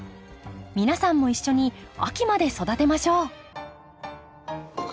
皆さんも一緒に秋まで育てましょう。